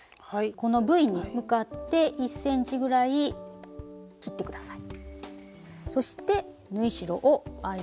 このＶに向かって１ｃｍぐらい切って下さい。